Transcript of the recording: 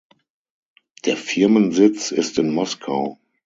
Der Firmensitz ist in Moskau.